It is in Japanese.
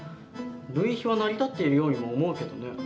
類比は成り立っているようにも思うけどね。